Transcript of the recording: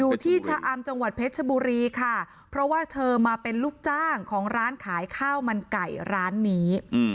อยู่ที่ชะอำจังหวัดเพชรบุรีค่ะเพราะว่าเธอมาเป็นลูกจ้างของร้านขายข้าวมันไก่ร้านนี้